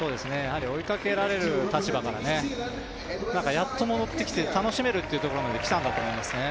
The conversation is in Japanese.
追いかけられる立場からやっと戻ってきて、楽しめるっていうところまできたんだと思いますね。